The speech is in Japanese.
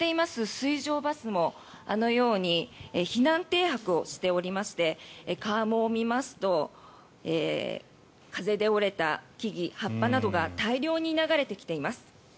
水上バスもあのように避難停泊をしていまして川面を見ますと風で折れた木々、葉っぱなどが大量に流れてきています。